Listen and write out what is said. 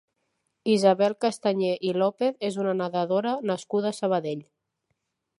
Isabel Castañé i López és una nedadora nascuda a Sabadell.